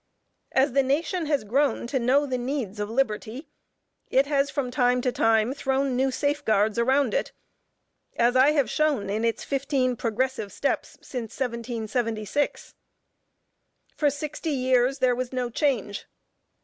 As the nation has grown to know the needs of liberty, it has from time to time thrown new safeguards around it, as I have shown in its fifteen progressive steps since 1776. For sixty years there was no change.